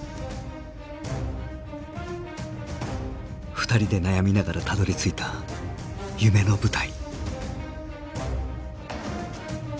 ２人で悩みながらたどりついた夢の舞台。